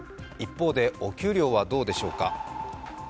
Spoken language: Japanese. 一方で、お給料はどうでしょうか。